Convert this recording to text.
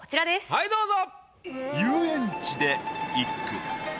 はいどうぞ。